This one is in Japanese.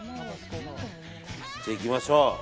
じゃあ、行きましょう。